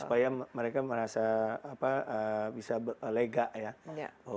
supaya mereka merasa bisa lega ya